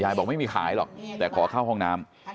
บอกไม่มีขายหรอกแต่ขอเข้าห้องน้ำ